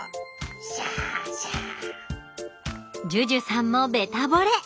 ＪＵＪＵさんもベタぼれ。